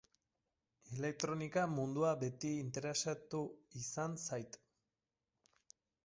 Elektronika mundua beti interesatu izan zait.